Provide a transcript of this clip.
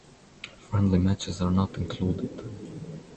Friendly matches are not included.